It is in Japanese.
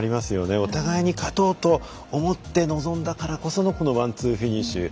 お互いに勝とうと思って臨んだからこそのこのワンツーフィニッシュ。